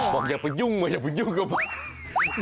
บอกอย่าไปยุ่งมาอย่าไปยุ่งกับมัน